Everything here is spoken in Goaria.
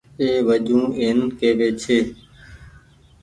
اي وجون اين ڪيوي ڇي